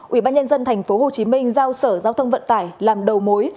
ubnd tp hcm giao sở giao thông vận tải làm đầu mối